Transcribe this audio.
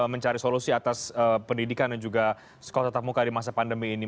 mencari solusi atas pendidikan dan juga sekolah tetap muka di masa pandemi ini